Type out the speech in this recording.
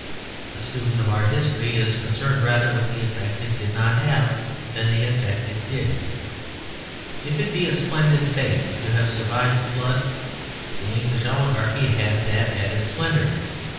A student of our history is concerned rather with the effect it did not have than the effect it did. If it be a splendid fate to have survived the Flood, the English oligarchy had that added splendour.